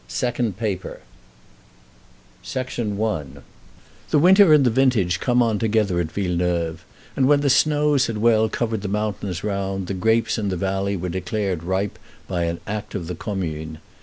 Second Paper I The winter and the vintage come on together at Villeneuve, and when the snows had well covered the mountains around, the grapes in the valley were declared ripe by an act of the Commune.